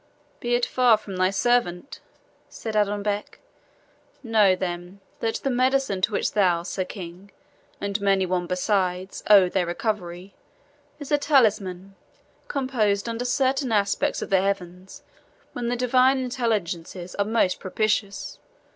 "Be it far from thy servant!" said Adonbec. "Know, then, that the medicine to which thou, Sir King, and many one besides, owe their recovery, is a talisman, composed under certain aspects of the heavens, when the Divine Intelligences are most propitious.